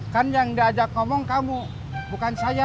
kan yang diajak ngomong kamu bukan saya